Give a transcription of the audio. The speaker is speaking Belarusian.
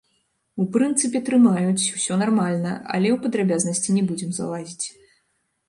У прынцыпе, трымаюць, усё нармальна, але ў падрабязнасці не будзем залазіць.